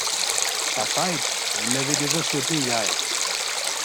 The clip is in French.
La fête ?… vous l’avez déjà souhaitée hier.